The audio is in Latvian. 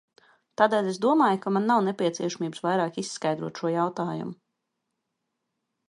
Tādēļ es domāju, ka man nav nepieciešamības vairāk izskaidrot šo jautājumu.